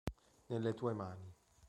Nelle tue mani